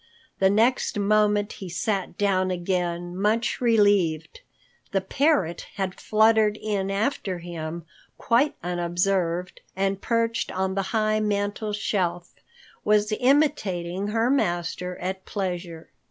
The next moment he sat down again, much relieved. The parrot had fluttered in after him quite unobserved, and, perched on the high mantel shelf, was imitating her master at pleasure.